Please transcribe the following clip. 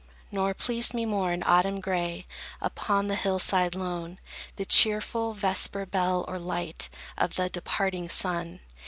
Nor pleased me more, in autumn gray, Upon the hill side lone, The cheerful vesper bell, or light Of the departing sun.